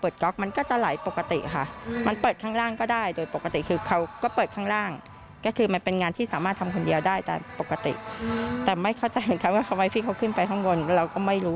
โดยปกติทุกวันที่ใช้คือมันไม่ได้เป็นอะไร